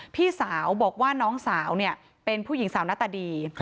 พี่สาวบอกว่าน้องสาวเป็นผู้หญิงสาวหน้าตาดี